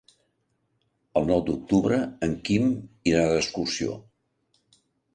El nou d'octubre en Quim irà d'excursió.